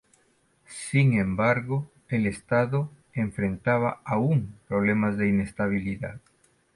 Sin embargo, el estado enfrentaba aún problemas de inestabilidad.